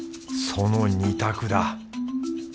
その二択だ。